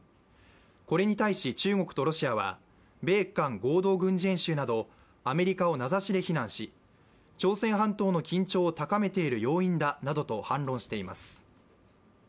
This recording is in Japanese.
これに対し、中国とロシアは米韓合同軍事演習などアメリカを名指しで非難し、朝鮮半島の緊張を高めている要因だなどと反論しています。